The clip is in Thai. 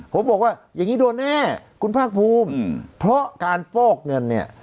ผมบอกว่าอย่างนี้โดนแน่คุณภาคภูมิเพราะการฟอกเงินเนี่ย